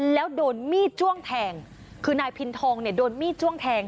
แล้วโดนมีดจ้วงแทงคือนายพินทองเนี่ยโดนมีดจ้วงแทง